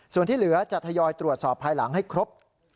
ส่วนที่เหลือจะทยอยตรวจสอบภายหลังให้ครบ